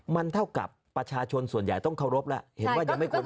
มันเท่ากับประชาชนส่วนใหญ่ต้องเคารพแล้ว